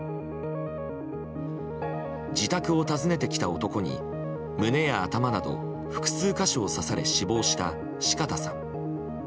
自宅を訪ねてきた男に胸や頭など複数箇所を刺され死亡した四方さん。